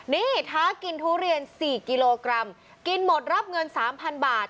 นี่ท้ากินทุเรียน๔กิโลกรัมกินหมดรับเงิน๓๐๐บาท